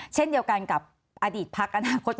เช่นเดียวกันกับอดีตพัก